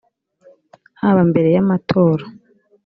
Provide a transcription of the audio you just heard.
haba mbere y amatora